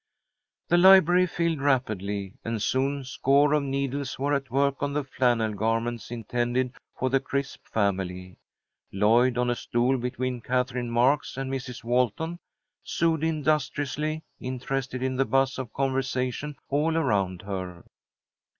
The library filled rapidly, and soon a score of needles were at work on the flannel garments intended for the Crisp family. Lloyd, on a stool between Katherine Marks and Mrs. Walton, sewed industriously, interested in the buzz of conversation all around her.